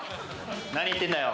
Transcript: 何言ってんだよ。